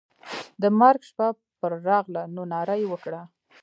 د مرګ شپه پر راغله نو ناره یې وکړه.